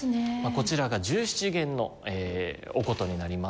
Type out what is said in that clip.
こちらが十七絃のお箏になります。